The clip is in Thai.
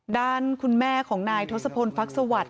ด้านคุณแม่ของนายทศพลฟักสวัสดิ